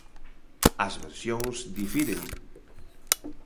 As versións difiren.